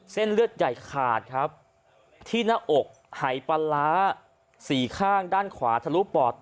เส้นเลือดใหญ่ขาดครับที่หน้าอกหายปลาร้าสี่ข้างด้านขวาทะลุปอด